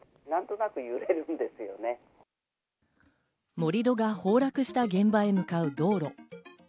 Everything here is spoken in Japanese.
盛り土が崩落した現場へ向かう道路。